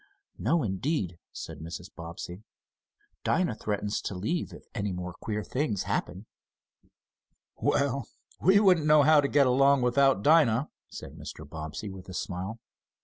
"No, indeed," said Mrs. Bobbsey. "Dinah threatens to leave, if any more queer things happen." "Well, we wouldn't know how to get along without Dinah," said Mr. Bobbsey, with a smile.